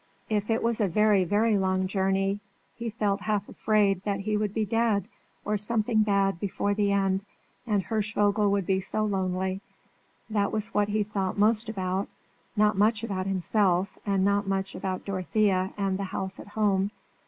If it was a very, very long journey he felt half afraid that he would be dead or something bad before the end, and Hirschvogel would be so lonely: that was what he thought most about; not much about himself, and not much about Dorothea and the house at home.